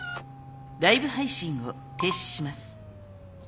ライブ配信を停止します。